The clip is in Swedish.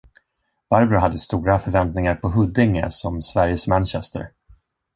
Barbro hade stora förväntningar på Huddinge som Sveriges Manchester.